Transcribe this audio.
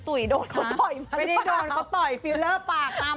ต่อยซิเซอร์ปากตามหวาน